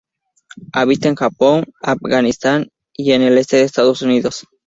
Habita en Japón, Afganistán, y en el este de Estados Unidos.